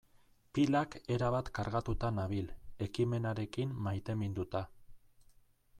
Pilak erabat kargatuta nabil, ekimenarekin maiteminduta.